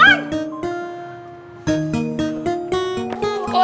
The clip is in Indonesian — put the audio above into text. wah itu aku